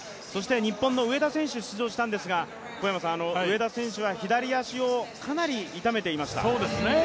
日本の上田選手出場したんですが左足をかなり痛めていました。